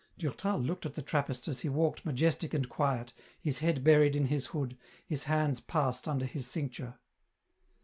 Durtal looked at the Trappist as he walked majestic and quiet, his head buried in his hood, his hands passed under his cincture.